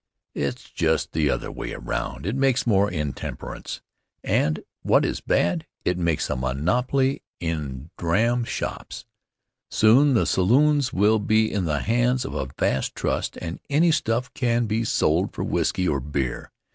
It's just the other way around. It makes more intemperance and, what is as bad, it makes a monopoly in dram shops. Soon the saloons will be in the hands of a vast trust' and any stuff can be sold for whisky or beer.